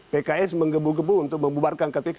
pks menggebu gebu untuk membubarkan kpk